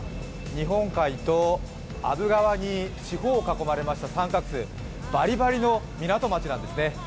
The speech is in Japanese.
日本海と阿武川に四方囲まれた三角すいバリバリの港町なんですよね。